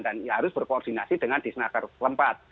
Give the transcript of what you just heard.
dan ya harus berkoordinasi dengan di senakar tempat